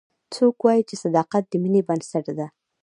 څوک وایي چې صداقت د مینې بنسټ ده